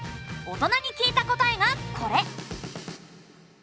大人に聞いた答えがこれ。